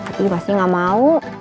tapi masih gak mau